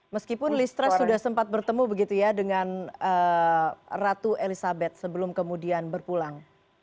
meskipun listra sudah sempat bertemu begitu ya dengan ratu elizabeth sebelum kemudian berpulang